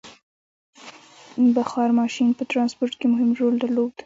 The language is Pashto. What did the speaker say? • بخار ماشین په ټرانسپورټ کې مهم رول درلود.